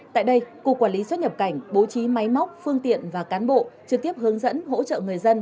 tại đây cục quản lý xuất nhập cảnh bố trí máy móc phương tiện và cán bộ trực tiếp hướng dẫn hỗ trợ người dân